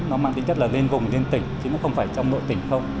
nó mang tính chất là liên vùng liên tỉnh chứ nó không phải trong nội tỉnh không